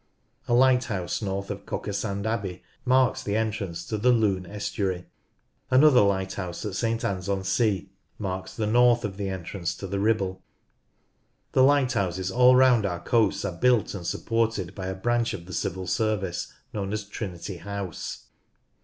A lighthouse north of Cockersand Abbey marks the entrance to the Lune estuary. Another lighthouse at St Anne's on Sea marks the north of the entrance to the Ribble. The lighthouses all round our coasts are built and supported by a branch of the Civil Service known as Trinity House.